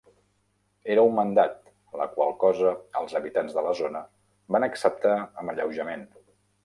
Era un mandat, la qual cosa els habitants de la zona van acceptar amb alleujament.